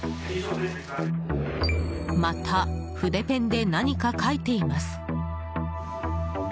また筆ペンで何か書いています。